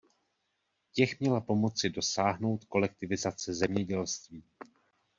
Těch měla pomoci dosáhnout kolektivizace zemědělství.